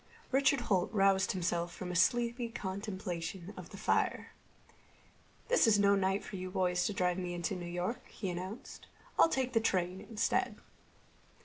Richard Holt roused himself from a sleepy contemplation of the fire. "This is no night for you boys to drive me into New York," he announced. "I'll take the train instead."